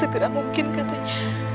segera mungkin katanya